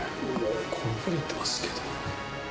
こぼれてますけど。